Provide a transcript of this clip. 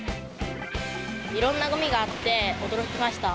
いろんなごみがあって、驚きました。